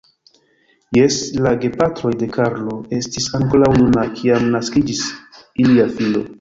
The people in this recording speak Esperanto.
Jes, la gepatroj de Karlo, estis ankoraŭ junaj, kiam naskiĝis ilia filo.